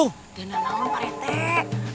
tenang tenang pak rt